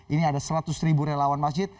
ini ada seratus ribu relawan masjid